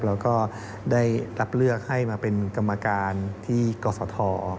แล้วก็ได้รับเลือกให้มาเป็นกรรมการที่กศธ